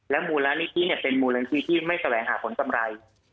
และมูลนิษฐ์เป็นมูลนิษฐ์ที่ไม่แสวงหาผลสำรัย